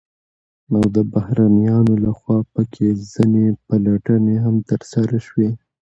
او د بهرنيانو لخوا په كې ځنې پلټنې هم ترسره شوې،